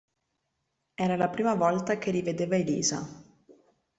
Era la prima volta che rivedeva Elisa.